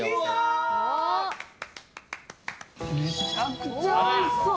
めちゃくちゃおいしそう！